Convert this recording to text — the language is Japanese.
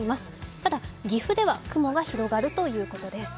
ただ岐阜では雲が広がるということです。